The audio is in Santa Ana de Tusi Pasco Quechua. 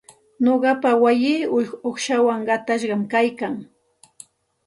Nuqapa wayii uqshawan qatashqam kaykan.